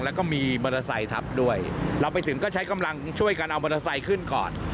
แล้วก็มีมอเตอร์ไซค์ทับด้วยเราไปถึงก็ใช้กำลังช่วยกันเอามอเตอร์ไซค์ขึ้นก่อน